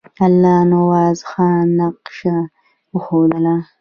الله نواز خان نقشه وښودله.